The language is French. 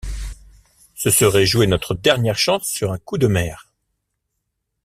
Ce serait jouer notre dernière chance sur un coup de mer!